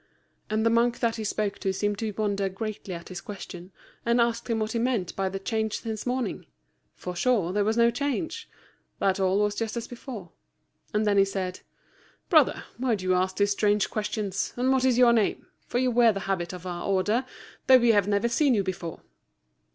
And the monk that he spoke to seemed to wonder greatly at his question, and asked him what he meant by the change since morning? for, sure, there was no change; that all was just as before. And then he said, "Brother, why do you ask these strange questions, and what is your name? for you wear the habit of our order, though we have never seen you before."